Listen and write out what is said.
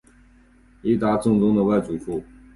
伊达政宗的外祖父。